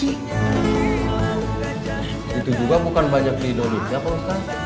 itu juga bukan banyak di indonesia pak ustadz